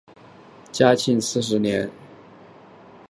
嘉靖四十年辛未科第三甲第三十七名进士。